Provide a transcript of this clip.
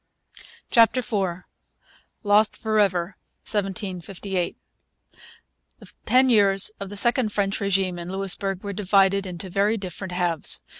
CHAPTER IV LOST FOR EVER 1758 The ten years of the second French regime in Louisbourg were divided into very different halves.